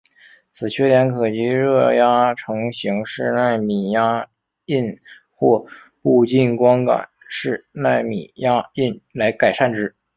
此缺点可藉热压成形式奈米压印或步进光感式奈米压印来改善之。